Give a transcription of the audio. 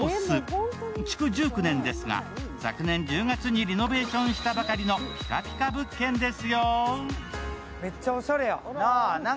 築１９年ですが、昨年１０月にリノベーションしたばかりのピカピカ物件ですよ。